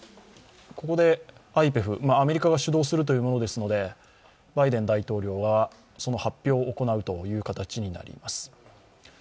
ここでＩＰＥＦ、アメリカが主導するというものですのでバイデン大統領はその発表を行うという形になります。